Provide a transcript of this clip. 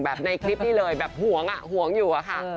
แบบในคลิปนี้เลยแบบห่วงอะห่วงอยู่อะค่ะ